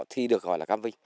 thì được gọi là cam vinh